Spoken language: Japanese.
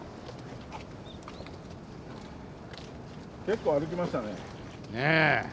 結構歩きましたね。ね！